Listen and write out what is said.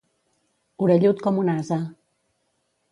Orellut com un ase.